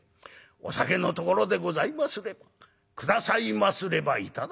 『お酒のところでございますれば下さいますれば頂きます。